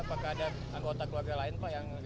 apakah ada anggota keluarga lain pak yang